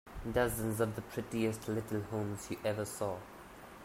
Dozens of the prettiest little homes you ever saw.